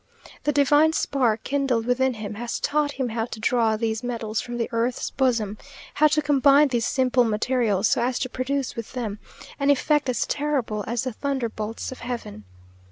The divine spark kindled within him, has taught him how to draw these metals from the earth's bosom; how to combine these simple materials, so as to produce with them an effect as terrible as the thunderbolts of heaven.